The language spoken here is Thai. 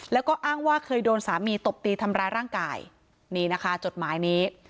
แล้วก็อ้างว่าเคยโดนสามีตบตีทำร้ายร่างกายนี่นะคะจดหมายนี้